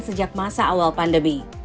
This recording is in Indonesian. sejak masa awal pandemi